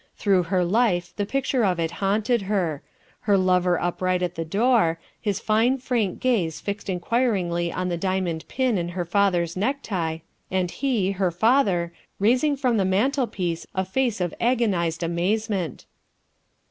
Through her life the picture of it haunted her her lover upright at the door, his fine frank gaze fixed inquiringly on the diamond pin in her father's necktie, and he, her father, raising from the mantelpiece a face of agonized amazement.